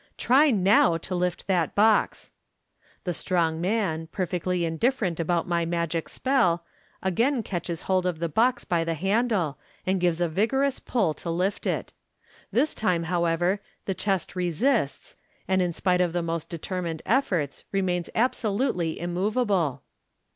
Try now to lift that ho .' "The strong man, perfectly indifferent about my magic spell, again catches hold of the box by the handle, and gives a vigorous pull to lift it j this time, however, the chest resists, and in spite of the most determined efforts, remains absolutely immoveable.